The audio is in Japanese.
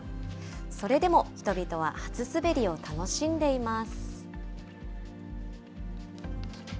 それでも人々は初滑りを楽しんでいます。